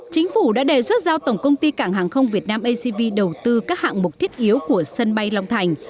chính phủ đã đề xuất giao tổng công ty cảng hàng không việt nam acv đầu tư các hạng mục thiết yếu của sân bay long thành